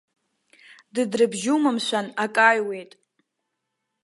Дыдрабжьума, мшәан, ак ааҩуеит.